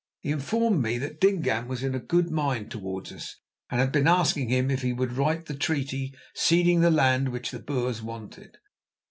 He informed me that Dingaan was in good mind towards us, and had been asking him if he would write the treaty ceding the land which the Boers wanted.